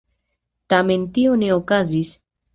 Tamen tio ne okazis.